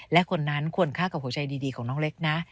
และคนนั้นควรฆ่ากับหัวใจดีของน้องเล็กนะ